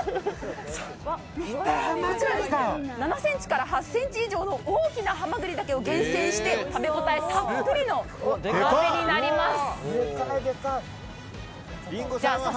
７ｃｍから８ｃｍ以上の大きなハマグリだけを厳選して食べ応えたっぷりの鍋になります。